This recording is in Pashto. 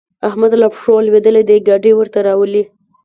احمد له پښو لوېدلی دی؛ ګاډی ورته راولي.